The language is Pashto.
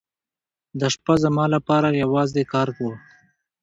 دا شپه زما لپاره یوازې کار و.